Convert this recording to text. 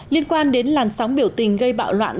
liên quan đến làn sóng biểu tình gây bạo loạn